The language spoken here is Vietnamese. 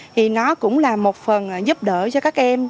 thì nó cũng là một phần giúp đỡ cho các em